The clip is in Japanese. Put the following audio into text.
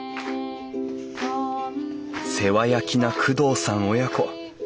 世話焼きな工藤さん親子。